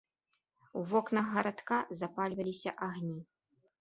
У вокнах гарадка запальваліся агні.